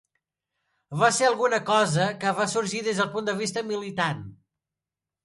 Va ser alguna cosa que va sorgir des del punt de vista militant.